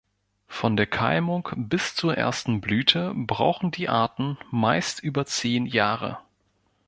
Von der Keimung bis zur ersten Blüte brauchen die Arten meist über zehn Jahre.